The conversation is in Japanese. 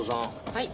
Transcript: はい。